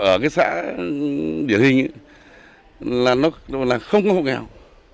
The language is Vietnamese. ở cái xã địa hình là không có hộ nghèo